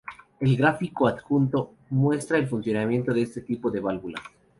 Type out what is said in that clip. El gráfico adjunto muestra el funcionamiento de este tipo de válvula.